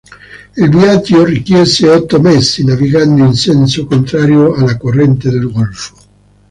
Il viaggio richiese otto mesi, navigando in senso contrario alla corrente del Golfo.